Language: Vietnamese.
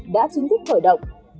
đã chính thức khởi động